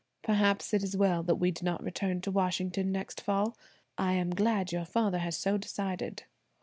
"Perhaps it is well that we do not return to Washington next fall. I am glad your father has so decided."